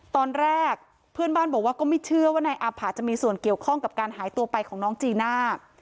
ตอนแรกเพื่อนบ้านบอกว่าก็ไม่เชื่อว่านายอาผะจะมีส่วนเกี่ยวข้องกับการหายตัวไปของน้องจีน่า